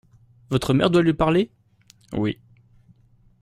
—Votre mère doit lui parler ? —Oui.